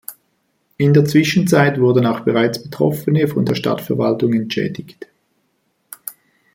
In der Zwischenzeit wurden auch bereits Betroffene von der Stadtverwaltung entschädigt.